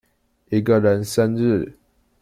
一個人生日